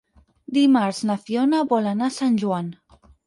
Dimarts na Fiona vol anar a Sant Joan.